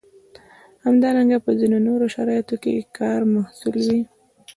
همدارنګه په ځینو نورو شرایطو کې د کار محصول وي.